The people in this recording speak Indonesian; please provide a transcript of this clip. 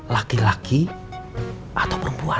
laki laki atau perempuan